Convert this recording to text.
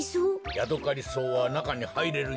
ヤドカリソウはなかにはいれるんじゃよ。